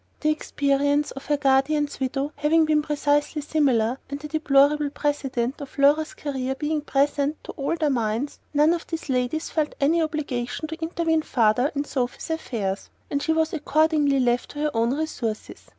The experience of the guardian's widow having been precisely similar, and the deplorable precedent of Laura's career being present to all their minds, none of these ladies felt any obligation to intervene farther in Sophy's affairs; and she was accordingly left to her own resources.